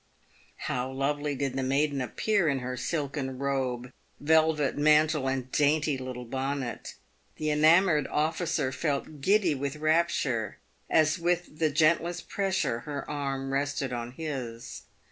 How lovely did the maiden appear in her silken robe, velvet mantle, and dainty little bonnet ! The enamoured officer felt giddy with rapture as with the gentlest pressure her arm rested on his.